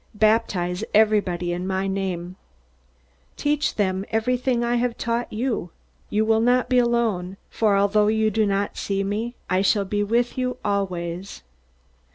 Baptize everybody in my name. Teach them everything that I have taught you. You will not be alone, for although you do not see me, I shall be with you always."